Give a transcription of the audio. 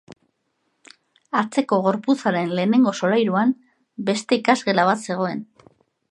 Atzeko gorputzaren lehenengo solairuan, beste ikasgela bat zegoen.